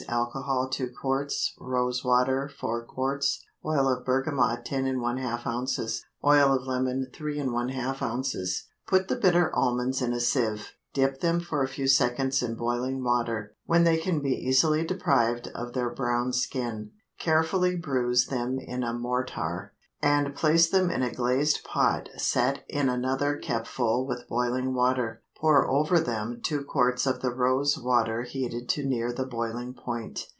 Alcohol 2 qts. Rose water 4 qts. Oil of bergamot 10½ oz. Oil of lemon 3½ oz. Put the bitter almonds in a sieve, dip them for a few seconds in boiling water, when they can be easily deprived of their brown skin; carefully bruise them in a mortar, and place them in a glazed pot set in another kept full with boiling water; pour over them two quarts of the rose water heated to near the boiling point.